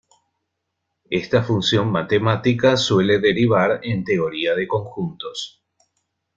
Esta función matemática suele derivar en teoría de conjuntos.